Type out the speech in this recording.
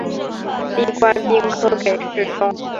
历官兵科给事中。